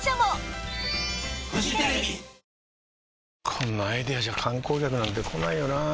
こんなアイデアじゃ観光客なんて来ないよなあ